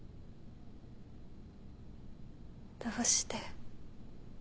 どうして。